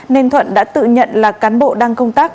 nên thuận đã tự nhận là cán bộ đang công tác